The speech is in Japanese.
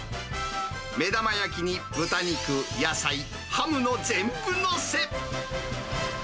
目玉焼きに豚肉、野菜、ハムの全部のせ。